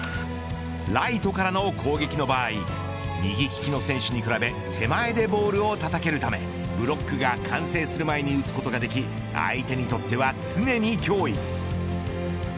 ライトからの攻撃の場合右利きの選手に比べ手前でボールをたたけるためブロックが完成する前に打つことができ相手にとっては常に脅威。